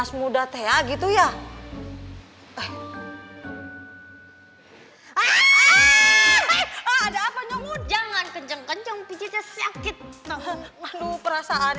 surti disuruh keluar